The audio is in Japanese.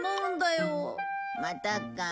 またか。